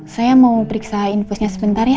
saya mau periksa infusnya sebentar ya